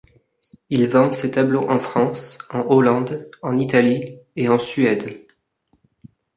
Il vend ses tableaux en France, en Hollande, en Italie et en Suède.